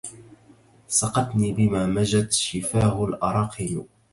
سقتني بما مجت شفاه الأراقم